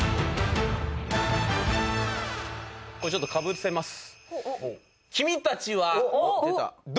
これちょっとかぶせます。